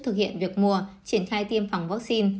thực hiện việc mua triển khai tiêm phòng vaccine